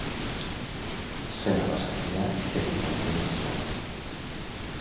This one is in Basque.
Sena basatia beti mantendu zuen.